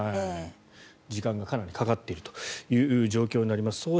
時間がかなりかかっているという状況になります。